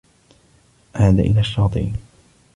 عاد إلى الشّاطئ.